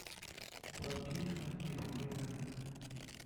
.و پیت هم دیوونه منه